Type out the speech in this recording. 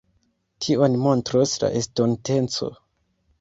Tion montros la estonteco.